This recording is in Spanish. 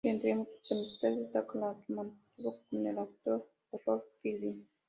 De entre sus amistades, destaca la que mantuvo con el actor Errol Flynn.